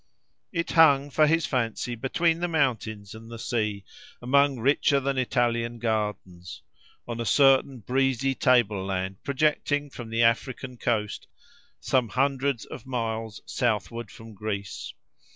It hung, for his fancy, between the mountains and the sea, among richer than Italian gardens, on a certain breezy table land projecting from the African coast, some hundreds of miles southward from Greece.